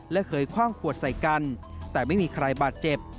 และเคยคว่างขวดใส่กันแต่ไม่มีใครบาดเจ็บ